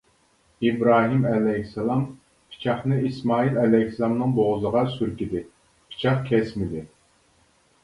ئىبراھىم ئەلەيھىسسالام پىچاقنى ئىسمائىل ئەلەيھىسسالامنىڭ بوغۇزىغا سۈركىدى، پىچاق كەسمىدى.